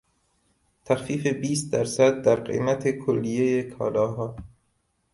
تخفیف بیست درصد در قیمت کلیهی کالاها